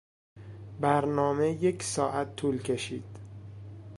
برنامه یک ساعت طول کشید.